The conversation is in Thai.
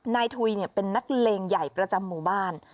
นายทุยเป็นนักเลงใหญ่ประจำหมู่บ้าน